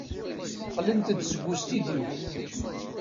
Qqlent-d seg ustidyu.